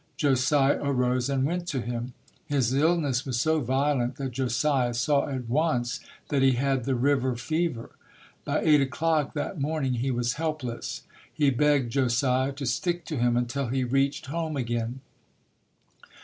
Josiah arose and went to him. His illness was so violent that Josiah saw at once that he had the river fever. JOSIAH HENSON [ 201 By eight o'clock that morning he was helpless. He begged Josiah to stick to him until he reached home again.